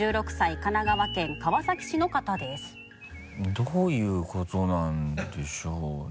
どういうことなんでしょうね？